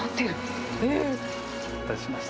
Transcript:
お待たせしました。